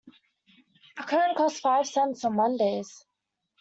A cone costs five cents on Mondays.